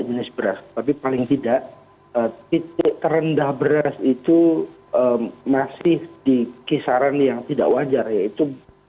jenis beras tapi paling tidak titik terendah beras itu masih di kisaran yang tidak wajar yaitu